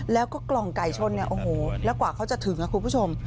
แล้วก็กล่องไก่ชนแล้วกว่าเขาจะถึงครับคุณผู้ชม